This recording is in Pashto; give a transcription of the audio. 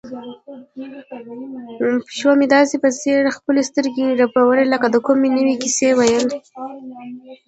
پیشو مې داسې په ځیر خپلې سترګې رپوي لکه د کومې نوې کیسې ویل.